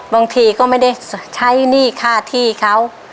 บางทีก็ไม่ได้ใช้หนี้ค่าที่เขา